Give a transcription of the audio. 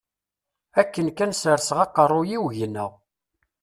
Akken kan serseɣ aqerruy-iw gneɣ.